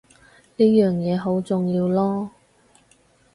呢樣嘢好重要囉